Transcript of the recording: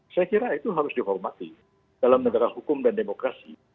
saya kira itu harus dihormati dalam negara hukum dan demokrasi